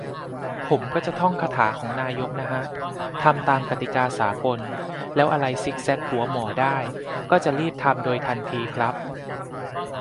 ผมก็จะท่องคาถาของนายกน่ะฮะ "ทำตามกติกาสากล" แล้วอะไรซิกแซกหัวหมอได้ ก็จะรีบทำโดยทันทีครับ